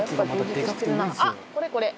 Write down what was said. あっこれこれ！